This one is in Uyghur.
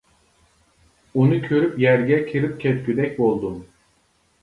ئۇنى كۆرۈپ يەرگە كىرىپ كەتكۈدەك بولدۇم.